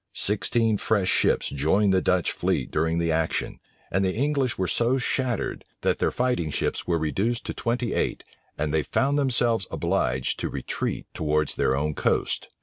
Sixteen fresh ships joined the Dutch fleet during the action: and the English were so shattered, that their fighting ships were reduced to twenty eight, and they found themselves obliged to retreat towards their own coast.